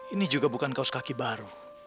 ini juga bukan kaos kaki baru